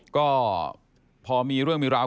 ก็พอมีเรื่องมีราว